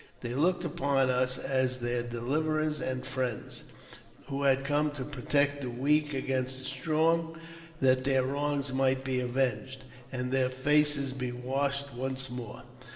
They looked upon us as their deliverers and friends, who had come to protect the weak against the strong, that their wrongs might be avenged, and their faces be washed once more.